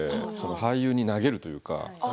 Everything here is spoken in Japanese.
俳優に投げるというか。